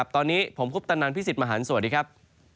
ตอนนี้ผมคุปตนันพี่สิทธิมหันฯสวัสดีครับ